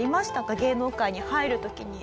芸能界に入る時に。